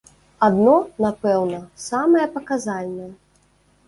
Адно, напэўна, самае паказальнае.